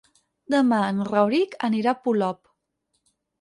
Demà en Rauric anirà a Polop.